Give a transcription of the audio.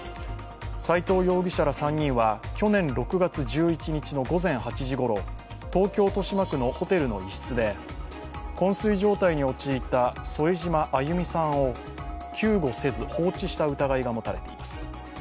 斎藤容疑者ら３人は去年６月１１日午前８時ごろ、東京・豊島区のホテルの一室でこん睡状態に陥った添島亜祐実さんを救護せず放置した疑いが持たれています。